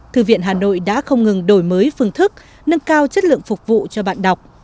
thư viện hà nội đã không ngừng đổi mới phương thức nâng cao chất lượng phục vụ cho bạn đọc